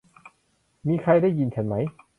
มีใครได้ยินฉันมั้ย